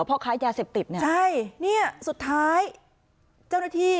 พ่อค้ายาเสพติดเนี่ยใช่เนี่ยสุดท้ายเจ้าหน้าที่